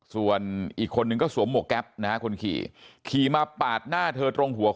ส่วนอีกคนนึงก็สวมหมวกแก๊ปนะฮะคนขี่ขี่มาปาดหน้าเธอตรงหัวคอ